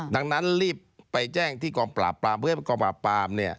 ดังนั้นรีบไปแจ้งที่กองปราบปรามเพื่อให้กองปราบปราม